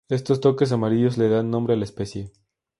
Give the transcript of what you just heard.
Estos toques amarillos le dan nombre a la especie.